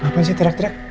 ngapain sih terak terak